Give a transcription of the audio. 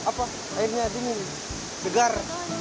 ya baru airnya dingin segar